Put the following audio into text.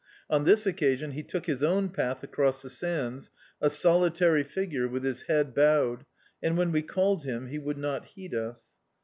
On this occasion he took his own path across the sands, a solitary figure, with his head bowed, and when we called him he would not heed us.